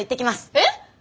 えっ！？